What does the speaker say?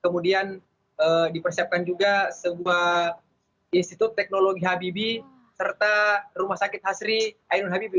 kemudian dipersiapkan juga sebuah institut teknologi habibie serta rumah sakit hasri ainun habibie